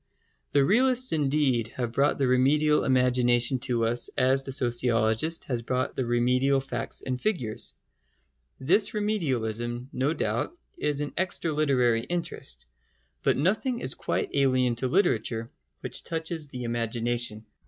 The realists indeed have brought the remedial imagination to us as the sociologist has brought the remedial facts and figures. This remedialism, no doubt, is an extra literary interest. But nothing is quite alien to literature which touches the imagination.